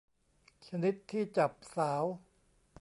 ชนิดที่จับสาว